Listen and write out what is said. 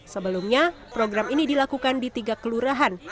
sebelumnya program ini dilakukan di tiga kelurahan